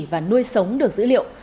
và nuôi sống được dữ liệu